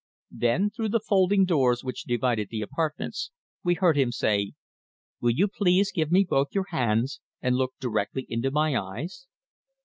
Then, through the folding doors which divided the apartments, we heard him say: "Will you please give me both your hands, and look directly into my eyes?"